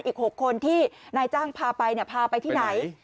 อีก๖คนที่นายจ้างพาไปพาไปที่ไหน